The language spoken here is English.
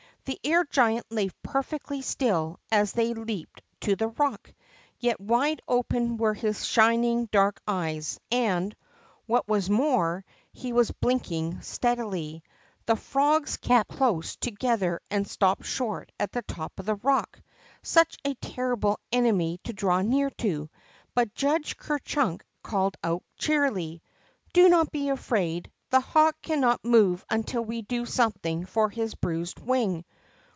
The air giant lay perfectly still as they leaped to the rock, yet wide open were his shining dark eyes, and, what was more, he was blinking steadily. The frogs kept close to gether and stopped short at the top of tlie rock. Snch a terrible enemy to draw near to ! But J iidge Ker Chunk called out, cheerily: Do not be afraid. The hawk cannot move until we do something for his bruised wing."